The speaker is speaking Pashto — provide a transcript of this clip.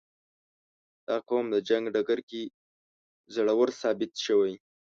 • دا قوم د جنګ په ډګر کې زړور ثابت شوی.